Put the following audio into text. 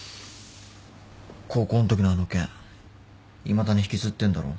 高校のときのあの件いまだに引きずってんだろ？